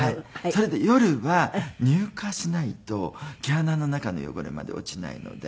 それで夜は乳化しないと毛穴の中の汚れまで落ちないので。